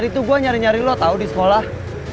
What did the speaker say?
eh riva tadi tuh gue nyari nyari lo tau di sekolah